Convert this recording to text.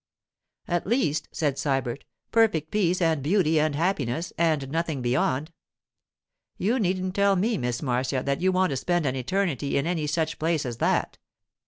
'At least,' said Sybert, 'perfect peace and beauty and happiness, and nothing beyond. You needn't tell me, Miss Marcia, that you want to spend an eternity in any such place as that.